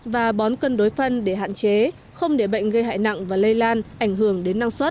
và bón cân đối phân để hạn chế không để bệnh gây hại nặng và lây lan ảnh hưởng đến năng suất